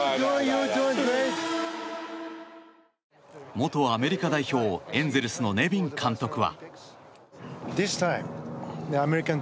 元アメリカ代表エンゼルスのネビン監督は。